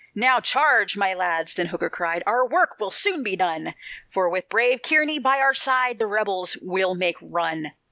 "Now, charge! my lads," then Hooker cried, "Our work will soon be done, For with brave Kearny by our side, The rebels we'll make run."